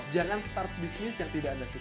jangan start bisnis yang tidak anda suka